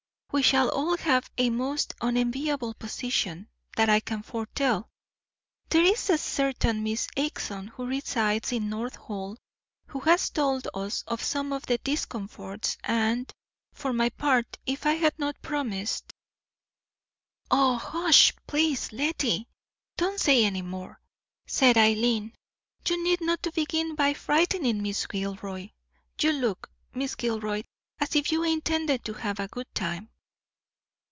"We shall all have a most unenviable position, that I can foretell. There is a certain Miss Acheson, who resides in North Hall, who has told us of some of the discomforts, and, for my part, if I had not promised——" "Oh, hush, please, Lettie; don't say any more," said Eileen. "You need not begin by frightening Miss Gilroy. You look, Miss Gilroy, as if you intended to have a good time."